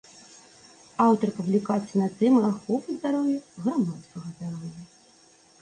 Аўтар публікацый на тэмы аховы здароўя, грамадскага здароўя.